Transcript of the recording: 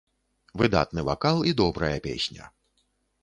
Выдатны вакал і добрая песня.